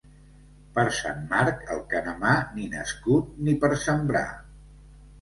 Per Sant Marc, el canemar ni nascut ni per sembrar.